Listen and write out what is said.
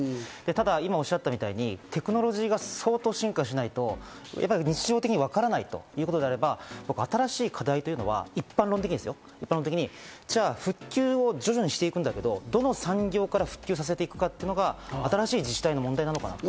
ただ今おっしゃったみたいに、テクノロジーが相当進化しないと、日常的にわからないということであれば新しい課題というのは一般論的に復旧を徐々にしていくんだけど、どの産業から復旧させていくかというのが新しい自治体の問題なのかなと。